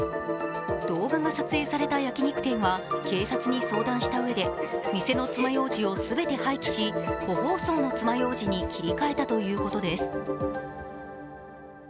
動画が撮影された焼き肉店は警察に相談したうえで店の爪ようじを全て廃棄し、個包装の爪ようじに切り替えたということです。